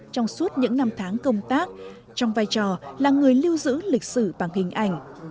trong suốt những năm tháng công tác trong vai trò là người lưu giữ lịch sử bằng hình ảnh